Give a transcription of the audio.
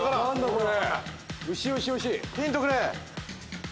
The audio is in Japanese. これ。